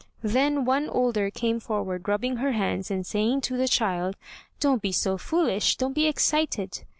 Then one older came forward rubbing her hands and saying to the child, 'Don't be so foolish, don't be excited.'